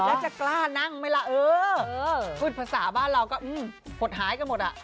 แล้วจะกล้านั่งไหมล่ะเออพูดภาษาบ้านเราก็หดหายกันหมดอ่ะ